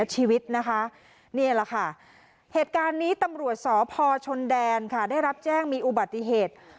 เหตุการณ์นี้ตำรวจสอบพอชนแดนค่ะได้รับแจ้งมีอุบัติเหตุ